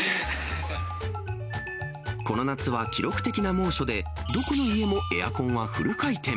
この夏は記録的な猛暑で、どこの家もエアコンはフル回転。